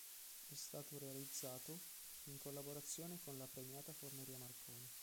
È stato realizzato in collaborazione con la Premiata Forneria Marconi.